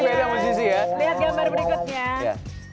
lihat gambar berikutnya